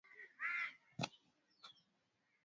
Mwaka elfu mbili na nane ilijaribu kusanifisha vipimo